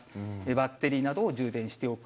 バッテリーなどを充電しておく。